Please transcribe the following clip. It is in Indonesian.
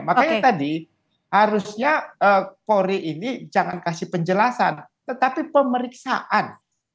makanya tadi harusnya polri ini jangan kasih penjelasan tetapi pemeriksaan